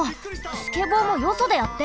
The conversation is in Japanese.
スケボーもよそでやって！